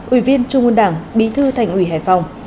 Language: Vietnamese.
ủy viên trung ương đảng bí thư thành ủy hải phòng